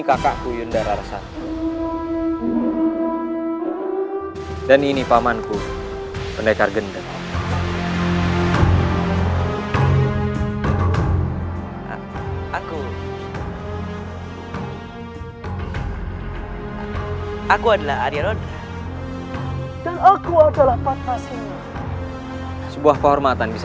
kanda yakin dinda mampu melakukannya